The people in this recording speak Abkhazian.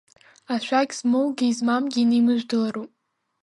Ашәақь змоугьы измамгьы инеимыжәдалароуп.